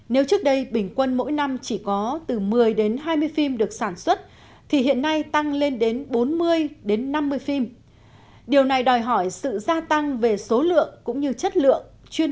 nếu trước đây bình quân mỗi năm chỉ có từ một mươi đến hai mươi phim được sản xuất thì hiện nay tăng lên đến bốn mươi đến năm mươi phim điều này đòi hỏi sự gia tăng về số lượng cũng như chất lượng